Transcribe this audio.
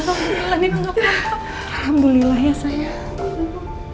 alhamdulillah ya sayang